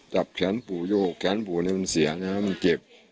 จับแขนปู่โยกแขนปู่เนี่ยมันเสียใช่ไหมมันเจ็บ